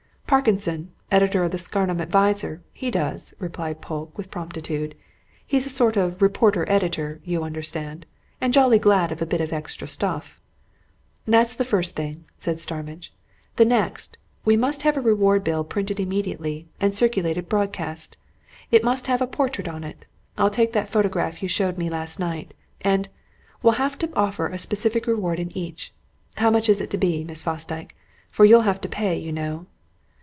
"Parkinson, editor of the 'Scarnham Advertiser,' he does," replied Polke, with promptitude. "He's a sort of reporter editor, you understand, and jolly glad of a bit of extra stuff." "That's the first thing," said Starmidge. "The next, we must have a reward bill printed immediately, and circulated broadcast. It must have a portrait on it I'll take that photograph you showed me last night. And we'll have to offer a specific reward in each. How much is it to be, Miss Fosdyke? For you'll have to pay it, you know."